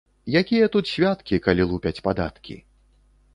Якія тут святкі, калі лупяць падаткі